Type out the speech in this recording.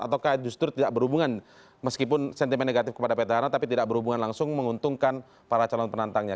ataukah justru tidak berhubungan meskipun sentimen negatif kepada petahana tapi tidak berhubungan langsung menguntungkan para calon penantangnya